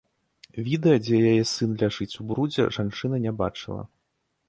Відэа, дзе яе сын ляжыць у брудзе, жанчына не бачыла.